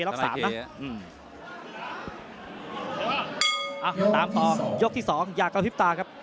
ย็าก้าวพิพิตา